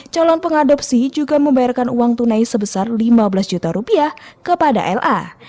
calon pengadopsi juga membayarkan uang tunai sebesar lima belas juta rupiah kepada la